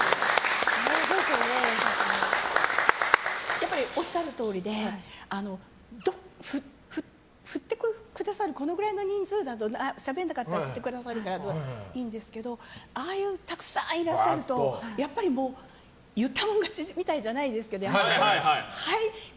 やっぱり、おっしゃるとおりで振ってくださるこのくらいの人数だとしゃべらなかったら振ってくださるからいいんですけどああいうふうにたくさんいらっしゃるとやっぱり、言ったもの勝ちみたいなのじゃないですけど。